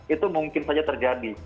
itu mungkin saja terjadi